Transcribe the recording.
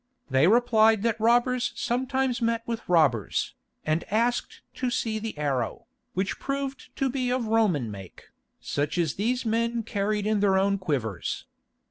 They replied that robbers sometimes met with robbers, and asked to see the arrow, which proved to be of a Roman make, such as these men carried in their own quivers.